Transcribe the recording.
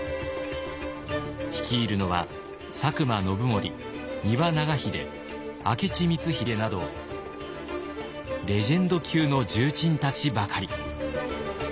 率いるのは佐久間信盛丹羽長秀明智光秀などレジェンド級の重鎮たちばかり。